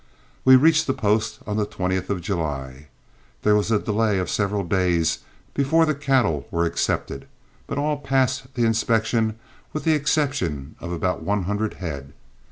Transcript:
We reached the post on the 20th of July. There was a delay of several days before the cattle were accepted, but all passed the inspection with the exception of about one hundred head.